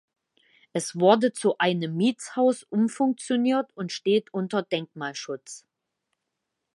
Es wurde zu einem Mietshaus umfunktioniert und steht unter Denkmalschutz.